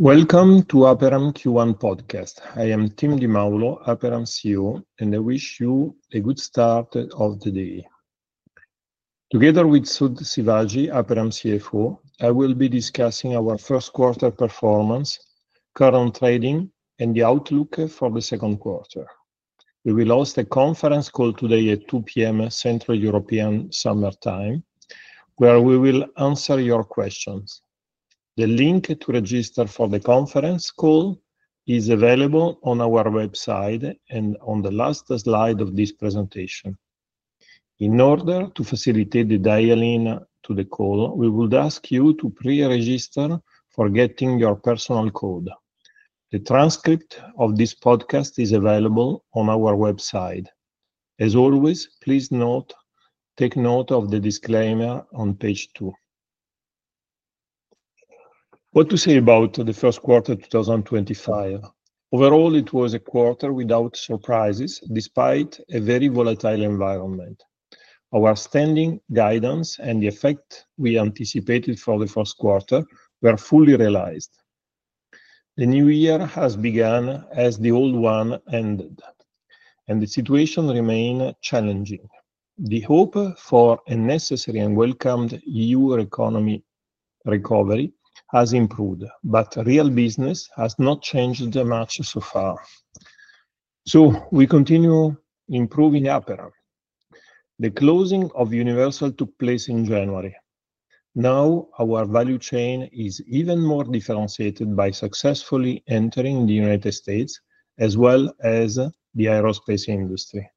Welcome to Aperam Q1 Podcast. I am Tim Di Maulo, Aperam CEO, and I wish you a good start of the day. Together with Sudh Sivaji, Aperam CFO, I will be discussing our first quarter performance, current trading, and the outlook for the second quarter. We will host a conference call today at 2:00 P.M. Central European Summer Time, where we will answer your questions. The link to register for the conference call is available on our website and on the last slide of this presentation. In order to facilitate the dial-in to the call, we would ask you to pre-register for getting your personal code. The transcript of this podcast is available on our website. As always, please take note of the disclaimer on page two. What to say about the first quarter 2025? Overall, it was a quarter without surprises, despite a very volatile environment. Our standing guidance and the effect we anticipated for the first quarter were fully realized. The new year has begun as the old one ended, and the situation remains challenging. The hope for a necessary and welcomed EU economy recovery has improved, but real business has not changed much so far. We continue improving Aperam. The closing of Universal took place in January. Now our value chain is even more differentiated by successfully entering the United States, as well as the aerospace industry.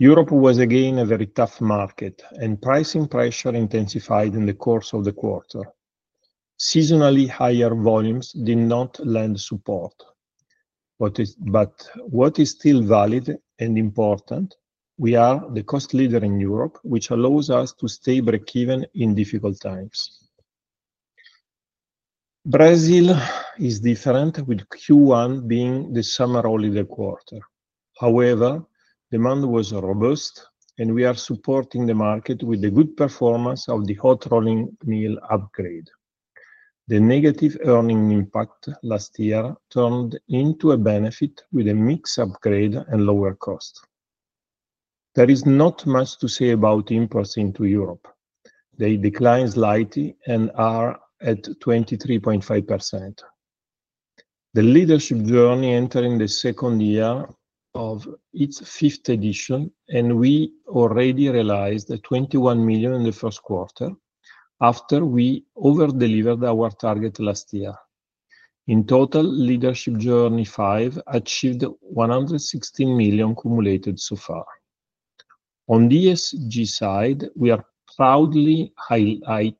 Europe was again a very tough market, and pricing pressure intensified in the course of the quarter. Seasonally higher volumes did not lend support. What is still valid and important, we are the cost leader in Europe, which allows us to stay breakeven in difficult times. Brazil is different, with Q1 being the summer-holiday quarter. However, demand was robust, and we are supporting the market with the good performance of the hot rolling mill upgrade. The negative earning impact last year turned into a benefit with a mixed upgrade and lower cost. There is not much to say about imports into Europe. They decline slightly and are at 23.5%. The Leadership Journey enters the second year of its fifth edition, and we already realized 21 million in the first quarter after we over-delivered our target last year. In total, Leadership Journey 5 achieved 116 million cumulated so far. On the ESG side, we are proudly highlighting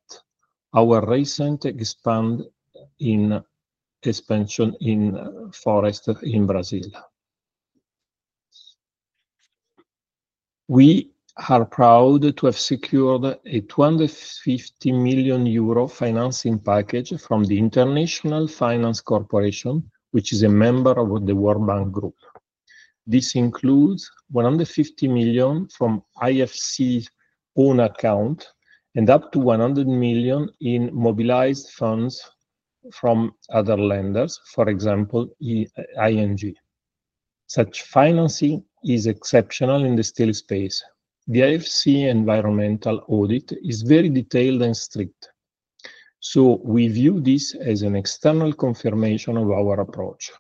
our recent expansion in forests in Brazil. We are proud to have secured a 250 million euro financing package from the International Finance Corporation, which is a member of the World Bank Group. This includes 150 million from IFC own account and up to 100 million in mobilized funds from other lenders, for example, ING. Such financing is exceptional in the steel space. The IFC environmental audit is very detailed and strict, so we view this as an external confirmation of our approach.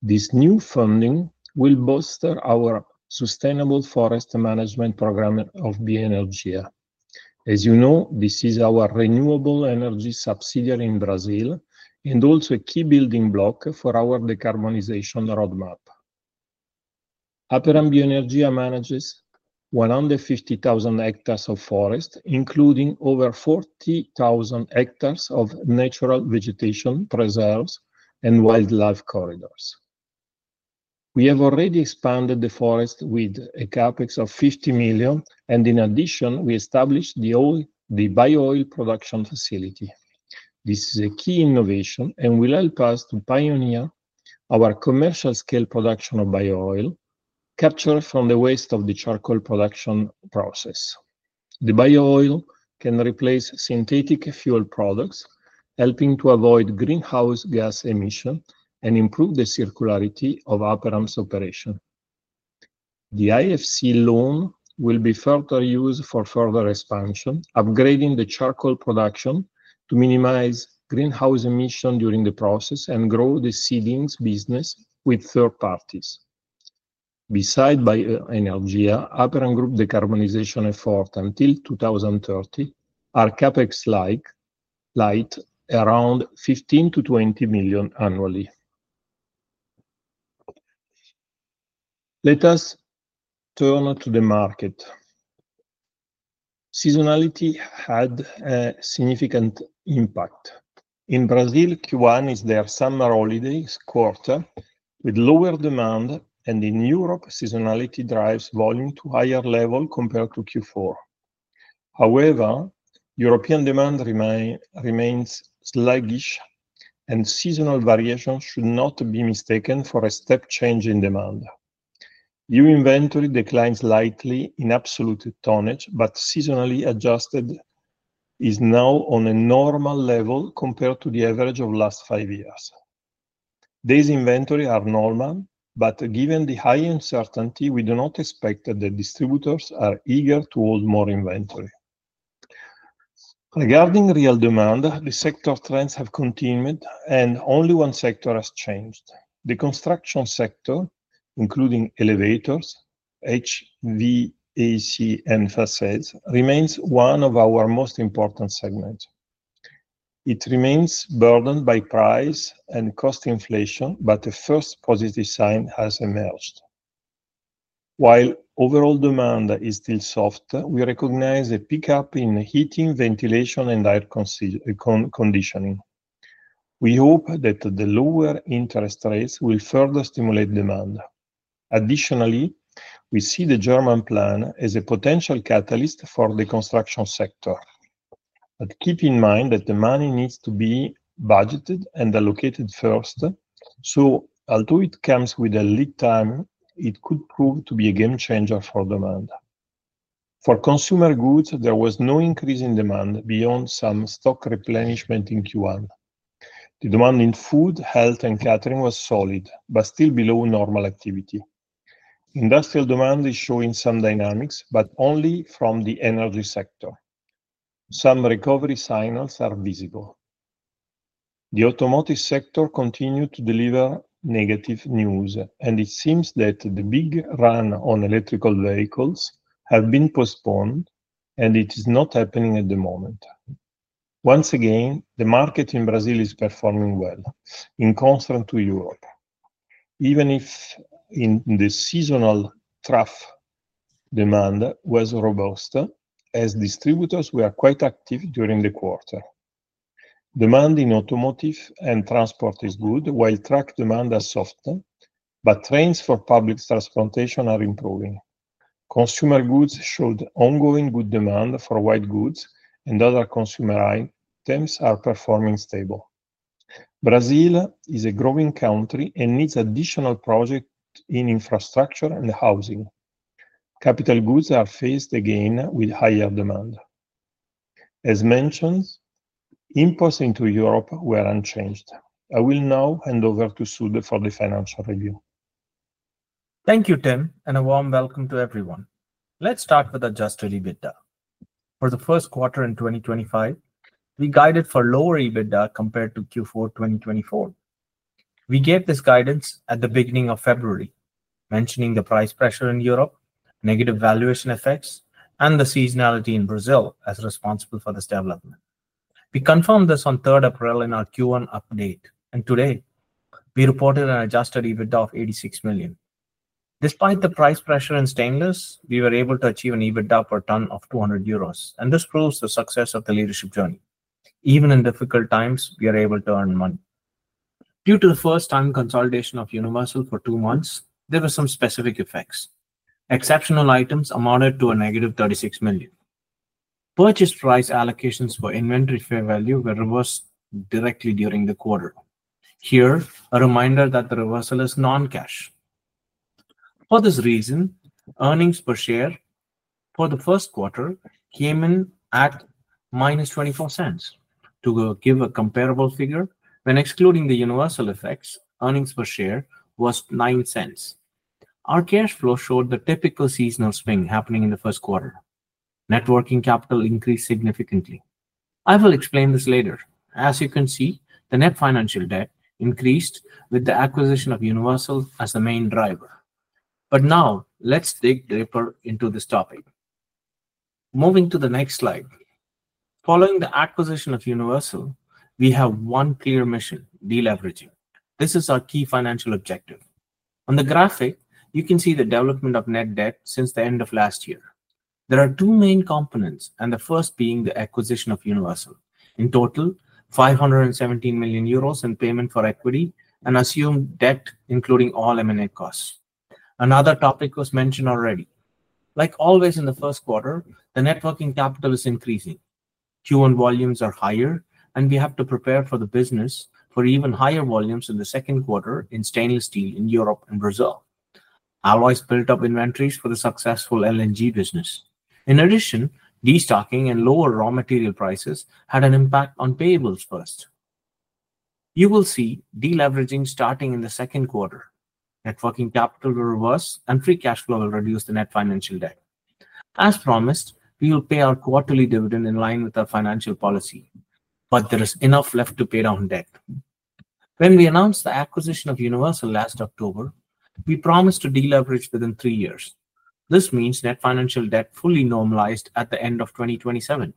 This new funding will bolster our sustainable forest management program of BioEnergia. As you know, this is our renewable energy subsidiary in Brazil and also a key building block for our decarbonization roadmap. Aperam BioEnergia manages 150,000 hectares of forest, including over 40,000 hectares of natural vegetation preserves and wildlife corridors. We have already expanded the forest with a CapEx of 50 million, and in addition, we established the bio-oil production facility. This is a key innovation and will help us to pioneer our commercial-scale production of bio-oil captured from the waste of the charcoal production process. The bio-oil can replace synthetic fuel products, helping to avoid greenhouse gas emissions and improve the circularity of Aperam's operation. The IFC loan will be further used for further expansion, upgrading the charcoal production to minimize greenhouse emissions during the process and grow the seedlings business with third parties. Besides BioEnergia, Aperam Group's decarbonization efforts until 2030 are CapEx-like at around EUR 15 million-EUR 20 million annually. Let us turn to the market. Seasonality had a significant impact. In Brazil, Q1 is their summer-holiday quarter, with lower demand, and in Europe, seasonality drives volume to a higher level compared to Q4. However, European demand remains sluggish, and seasonal variation should not be mistaken for a step change in demand. New inventory declines slightly in absolute tonnage, but seasonally adjusted is now on a normal level compared to the average of the last five years. These inventories are normal, but given the high uncertainty, we do not expect that the distributors are eager to hold more inventory. Regarding real demand, the sector trends have continued, and only one sector has changed. The construction sector, including elevators, HVAC, and facades, remains one of our most important segments. It remains burdened by price and cost inflation, but a first positive sign has emerged. While overall demand is still soft, we recognize a pickup in heating, ventilation, and air conditioning. We hope that the lower interest rates will further stimulate demand. Additionally, we see the German plan as a potential catalyst for the construction sector. Keep in mind that the money needs to be budgeted and allocated first, so although it comes with a lead time, it could prove to be a game changer for demand. For consumer goods, there was no increase in demand beyond some stock replenishment in Q1. The demand in food, health, and catering was solid, but still below normal activity. Industrial demand is showing some dynamics, but only from the energy sector. Some recovery signals are visible. The automotive sector continued to deliver negative news, and it seems that the big run on electrical vehicles has been postponed, and it is not happening at the moment. Once again, the market in Brazil is performing well, in concern to Europe, even if in the seasonal trough demand was robust, as distributors were quite active during the quarter. Demand in automotive and transport is good, while truck demand is soft, but trains for public transportation are improving. Consumer goods showed ongoing good demand for white goods, and other consumer items are performing stable. Brazil is a growing country and needs additional projects in infrastructure and housing. Capital goods are faced again with higher demand. As mentioned, inputs into Europe were unchanged. I will now hand over to Sudh for the financial review. Thank you, Tim, and a warm welcome to everyone. Let's start with adjusted EBITDA. For the first quarter in 2025, we guided for lower EBITDA compared to Q4 2024. We gave this guidance at the beginning of February, mentioning the price pressure in Europe, negative valuation effects, and the seasonality in Brazil as responsible for this development. We confirmed this on 3rd April in our Q1 update, and today we reported an adjusted EBITDA of 86 million. Despite the price pressure and stimulus, we were able to achieve an EBITDA per ton of 200 euros, and this proves the success of the Leadership Journey. Even in difficult times, we are able to earn money. Due to the first-time consolidation of Universal for two months, there were some specific effects. Exceptional items amounted to a negative 36 million. Purchase price allocations for inventory fair value were reversed directly during the quarter. Here, a reminder that the reversal is non-cash. For this reason, earnings per share for the first quarter came in at minus $0.24. To give a comparable figure, when excluding the Universal effects, earnings per share was $0.09. Our cash flow showed the typical seasonal swing happening in the first quarter. Net working capital increased significantly. I will explain this later. As you can see, the net financial debt increased with the acquisition of Universal as the main driver. Now let's dig deeper into this topic. Moving to the next slide. Following the acquisition of Universal, we have one clear mission: deleveraging. This is our key financial objective. On the graphic, you can see the development of net debt since the end of last year. There are two main components, the first being the acquisition of Universal. In total, 517 million euros in payment for equity and assumed debt, including all M&A costs. Another topic was mentioned already. Like always in the first quarter, the working capital is increasing. Q1 volumes are higher, and we have to prepare the business for even higher volumes in the second quarter in stainless steel in Europe and Brazil. Alloys built up inventories for the successful LNG business. In addition, destocking and lower raw material prices had an impact on payables first. You will see deleveraging starting in the second quarter. Working capital will reverse, and free cash flow will reduce the net financial debt. As promised, we will pay our quarterly dividend in line with our financial policy, but there is enough left to pay down debt. When we announced the acquisition of Universal last October, we promised to deleverage within three years. This means net financial debt fully normalized at the end of 2027.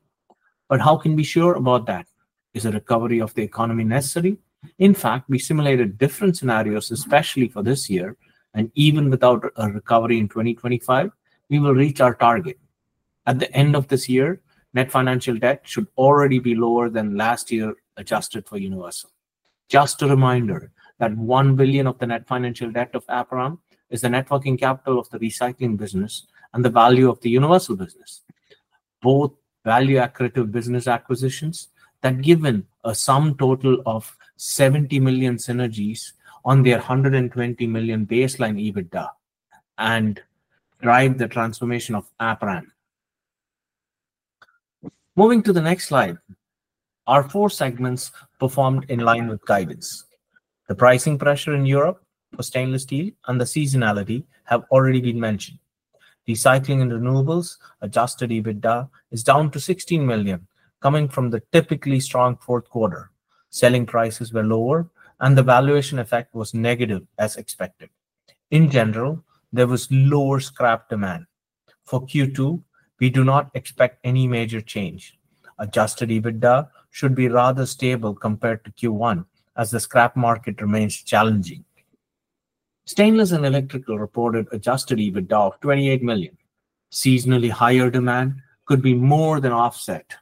How can we be sure about that? Is a recovery of the economy necessary? In fact, we simulated different scenarios, especially for this year, and even without a recovery in 2025, we will reach our target. At the end of this year, net financial debt should already be lower than last year adjusted for Universal. Just a reminder that 1 billion of the net financial debt of Aperam is the Net working capital of the recycling business and the value of the Universal business. Both value-accretive business acquisitions that give a sum total of 70 million synergies on their 120 million baseline EBITDA and drive the transformation of Aperam. Moving to the next slide, our four segments performed in line with guidance. The pricing pressure in Europe for stainless steel and the seasonality have already been mentioned. Recycling & Renewables adjusted EBITDA is down to 16 million, coming from the typically strong fourth quarter. Selling prices were lower, and the valuation effect was negative, as expected. In general, there was lower scrap demand. For Q2, we do not expect any major change. Adjusted EBITDA should be rather stable compared to Q1, as the scrap market remains challenging. Stainless & Electrical reported adjusted EBITDA of 28 million. Seasonally higher demand could be more than offset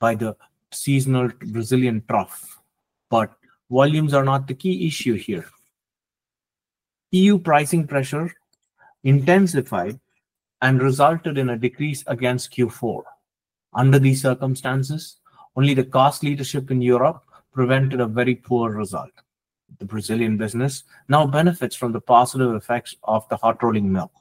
by the seasonal Brazilian trough, but volumes are not the key issue here. EU pricing pressure intensified and resulted in a decrease against Q4. Under these circumstances, only the cost leadership in Europe prevented a very poor result. The Brazilian business now benefits from the positive effects of the hot rolling mill.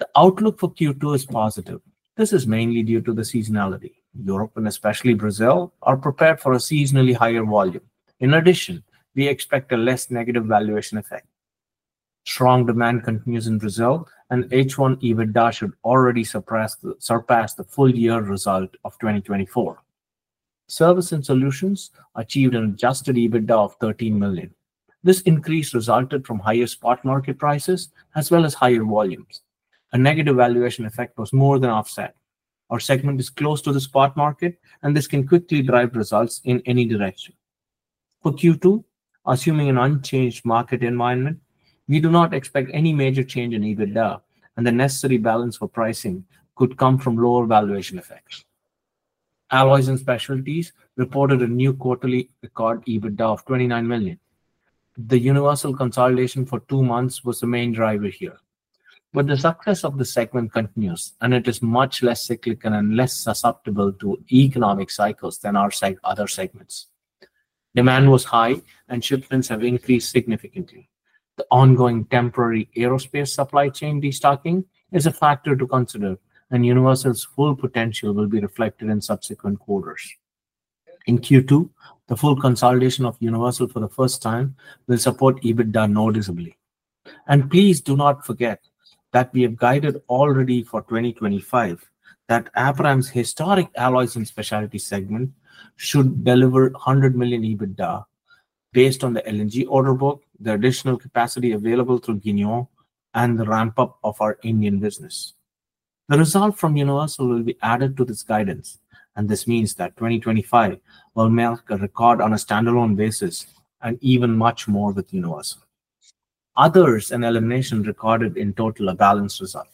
The outlook for Q2 is positive. This is mainly due to the seasonality. Europe and especially Brazil are prepared for a seasonally higher volume. In addition, we expect a less negative valuation effect. Strong demand continues in Brazil, and H1 EBITDA should already surpass the full-year result of 2024. Service & Solutions achieved an adjusted EBITDA of 13 million. This increase resulted from higher spot market prices as well as higher volumes. A negative valuation effect was more than offset. Our segment is close to the spot market, and this can quickly drive results in any direction. For Q2, assuming an unchanged market environment, we do not expect any major change in EBITDA, and the necessary balance for pricing could come from lower valuation effects. Alloys & Specialties reported a new quarterly record EBITDA of 29 million. The Universal consolidation for two months was the main driver here. The success of the segment continues, and it is much less cyclical and less susceptible to economic cycles than our other segments. Demand was high, and shipments have increased significantly. The ongoing temporary aerospace supply chain destocking is a factor to consider, and Universal's full potential will be reflected in subsequent quarters. In Q2, the full consolidation of Universal for the first time will support EBITDA noticeably. Please do not forget that we have guided already for 2025 that Aperam's historic alloys and specialty segment should deliver 100 million EBITDA based on the LNG order book, the additional capacity available through Gueugnon, and the ramp-up of our Indian business. The result from Universal will be added to this guidance, and this means that 2025 will mark a record on a standalone basis and even much more with Universal. Others and Elimination recorded in total a balanced result.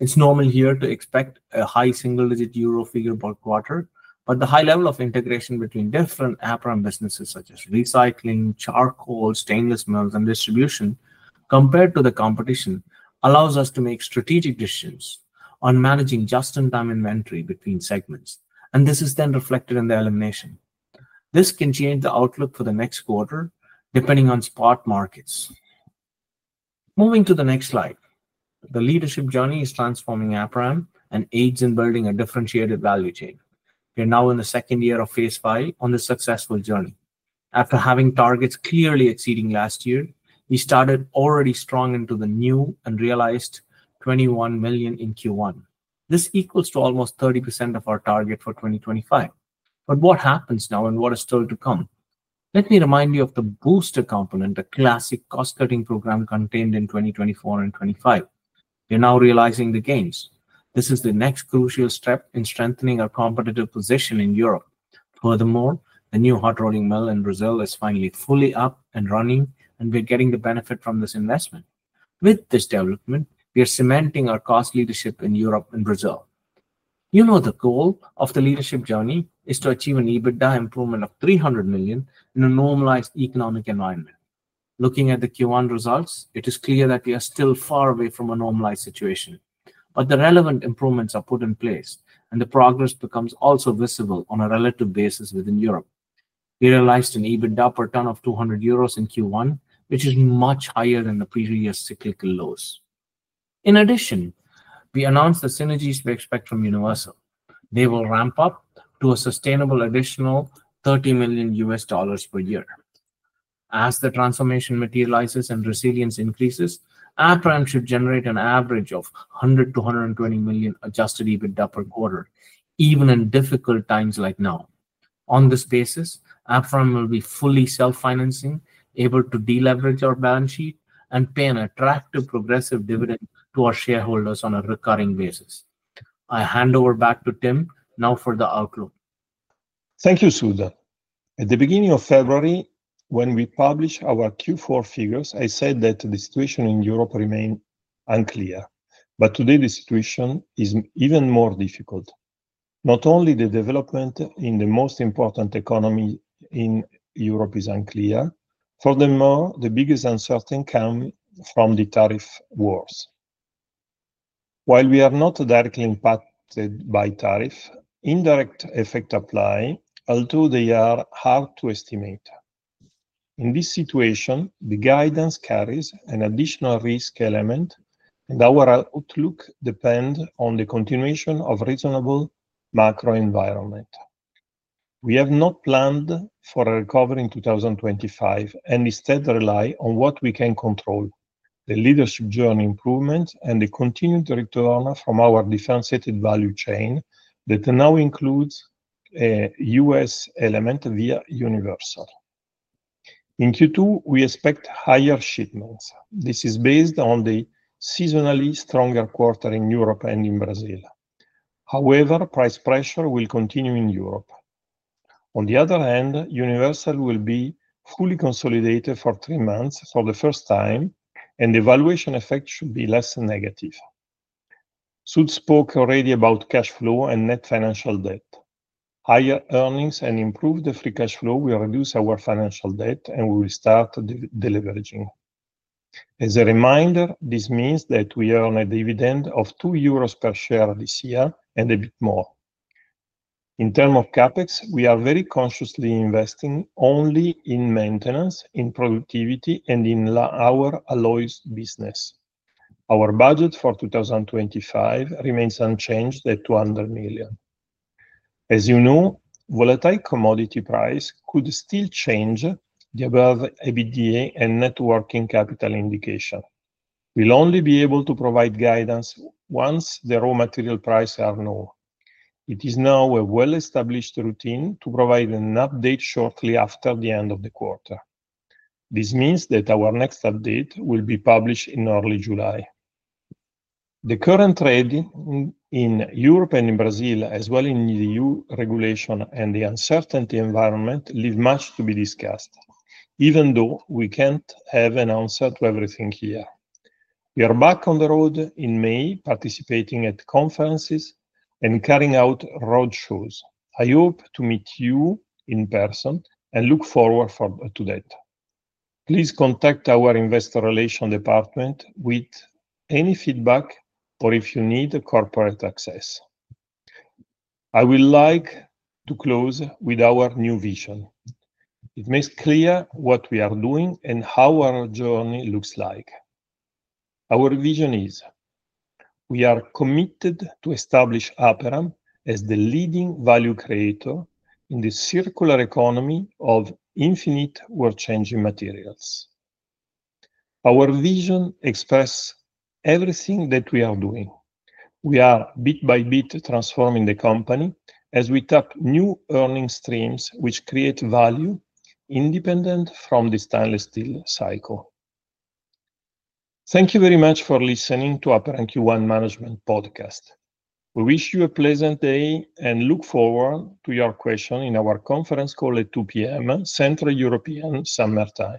It's normal here to expect a high single-digit EUR figure per quarter, but the high level of integration between different Aperam businesses, such as recycling, charcoal, stainless mills, and distribution, compared to the competition, allows us to make strategic decisions on managing just-in-time inventory between segments, and this is then reflected in the elimination. This can change the outlook for the next quarter depending on spot markets. Moving to the next slide, the Leadership Journey is transforming Aperam and aids in building a differentiated value chain. We are now in the second year of phase five on this successful journey. After having targets clearly exceeding last year, we started already strong into the new and realized 21 million in Q1. This equals to almost 30% of our target for 2025. What happens now and what is still to come? Let me remind you of the booster component, the classic cost-cutting program contained in 2024 and 2025. We are now realizing the gains. This is the next crucial step in strengthening our competitive position in Europe. Furthermore, the new hot rolling mill in Brazil is finally fully up and running, and we are getting the benefit from this investment. With this development, we are cementing our cost leadership in Europe and Brazil. You know the goal of the Leadership Journey is to achieve an EBITDA improvement of 300 million in a normalized economic environment. Looking at the Q1 results, it is clear that we are still far away from a normalized situation, but the relevant improvements are put in place, and the progress becomes also visible on a relative basis within Europe. We realized an EBITDA per ton of 200 euros in Q1, which is much higher than the previous cyclical lows. In addition, we announced the synergies we expect from Universal. They will ramp up to a sustainable additional EUR 30 million per year. As the transformation materializes and resilience increases, Aperam should generate an average of 100-120 million adjusted EBITDA per quarter, even in difficult times like now. On this basis, Aperam will be fully self-financing, able to deleverage our balance sheet, and pay an attractive progressive dividend to our shareholders on a recurring basis. I hand over back to Tim now for the outlook. Thank you, Sudh. At the beginning of February, when we published our Q4 figures, I said that the situation in Europe remained unclear, but today the situation is even more difficult. Not only the development in the most important economy in Europe is unclear, furthermore, the biggest uncertainty comes from the tariff wars. While we are not directly impacted by tariffs, indirect effects apply, although they are hard to estimate. In this situation, the guidance carries an additional risk element, and our outlook depends on the continuation of a reasonable macro environment. We have not planned for a recovery in 2025 and instead rely on what we can control, the Leadership Journey improvements, and the continued return from our differentiated value chain that now includes a US element via Universal. In Q2, we expect higher shipments. This is based on the seasonally stronger quarter in Europe and in Brazil. However, price pressure will continue in Europe. On the other hand, Universal will be fully consolidated for three months for the first time, and the valuation effect should be less negative. Sudh spoke already about cash flow and net financial debt. Higher earnings and improved free cash flow will reduce our financial debt, and we will start deleveraging. As a reminder, this means that we earn a dividend of 2 euros per share this year and a bit more. In terms of CapEx, we are very consciously investing only in maintenance, in productivity, and in our alloys business. Our budget for 2025 remains unchanged at 200 million. As you know, volatile commodity prices could still change the above EBITDA and Net working capital indication. We'll only be able to provide guidance once the raw material prices are known. It is now a well-established routine to provide an update shortly after the end of the quarter. This means that our next update will be published in early July. The current trade in Europe and in Brazil, as well as in the EU regulation and the uncertainty environment, leave much to be discussed, even though we can't have an answer to everything here. We are back on the road in May, participating at conferences and carrying out roadshows. I hope to meet you in person and look forward to that. Please contact our Investor Relations department with any feedback or if you need corporate access. I would like to close with our new vision. It makes clear what we are doing and how our journey looks like. Our vision is we are committed to establish Aperam as the leading value creator in the circular economy of infinite world-changing materials. Our vision expresses everything that we are doing. We are bit by bit transforming the company as we tap new earning streams which create value independent from the stainless steel cycle. Thank you very much for listening to Aperam Q1 Management Podcast. We wish you a pleasant day and look forward to your questions in our conference call at 2:00 P.M. Central European Summer Time.